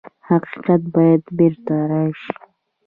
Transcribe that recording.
حقیقت باید بېرته راشي.